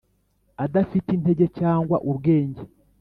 adafite intege cyangwa ubwenge